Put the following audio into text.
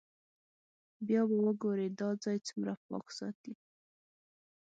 بیا به وګورئ دا ځای څومره پاک ساتي.